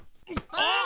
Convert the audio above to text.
あっ！